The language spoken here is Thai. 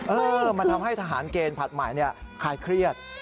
มันทำให้ทหารเกณฑ์ผัดใหม่คลายเครียด